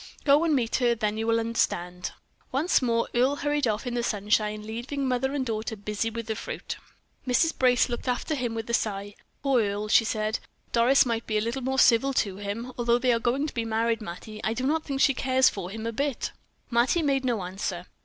Go and meet her; then you will understand." Once more Earle hurried off in the sunshine, leaving mother and daughter busy with the fruit. Mrs. Brace looked after him with a sigh. "Poor Earle," she said. "Doris might be a little more civil to him. Although they are going to be married, Mattie, I do not think she cares for him a bit." Mattie made no answer.